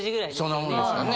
そんなもんですかね。